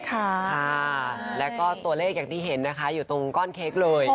ค่ะแล้วก็ตัวเลขอย่างที่เห็นนะคะอยู่ตรงก้อนเค้กเลย